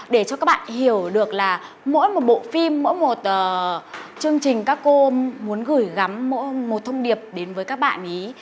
để cho các bạn hiểu được là mỗi một bộ phim mỗi một chương trình các cô muốn gửi gắm mỗi một thông điệp đến với các bạn ý